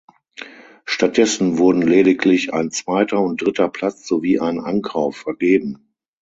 Stattdessen wurden lediglich ein zweiter und dritter Platz sowie ein Ankauf vergeben.